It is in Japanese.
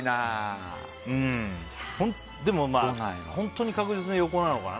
でも、本当に確実に横なのかな。